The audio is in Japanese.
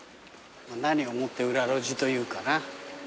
何をもって裏路地と言うかな。